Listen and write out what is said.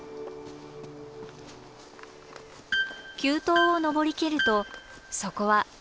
急登を登りきるとそこは広い山頂部。